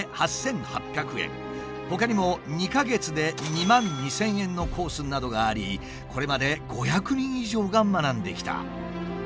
ほかにも２か月で２万２，０００円のコースなどがありこれまで５００人以上が学んできた。